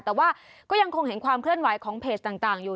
แต่ว่าก็ยังคงเห็นความเคลื่อนไหวของเพจต่างอยู่